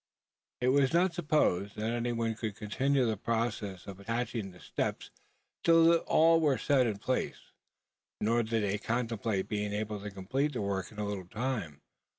It was not supposed, that any one could continue the process of attaching the steps, till all were set in their places; nor did they contemplate being able to complete the work in a little time.